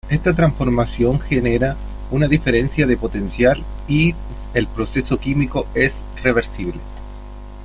Esta transformación genera una diferencia de potencial y el proceso químico es reversible.